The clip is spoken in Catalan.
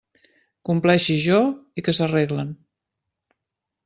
Compleixi jo, i que s'arreglen.